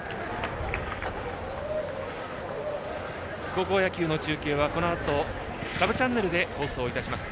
高校野球の中継はこのあとサブチャンネルで放送します。